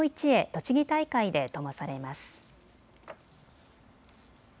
とちぎ大会でともされます。